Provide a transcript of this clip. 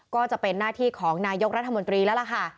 ก็จะเป็นหน้าที่ของนายกรัฐมนตรีแล้วล่ะค่ะ